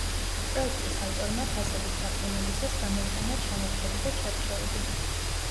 პროექტის ავტორმა ფასადის გაფორმებისას გამოიყენა ჩანართები და ჩარჩოები.